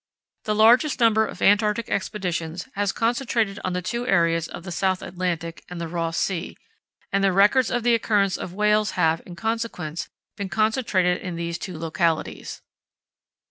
The largest number of Antarctic Expeditions has concentrated on the two areas of the South Atlantic and the Ross Sea, and the records of the occurrences of whales have, in consequence, been concentrated in these two localities.